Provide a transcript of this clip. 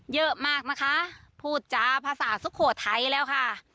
เยอะมากนะคะพูดจาภาษาสุโขทัยแล้วค่ะ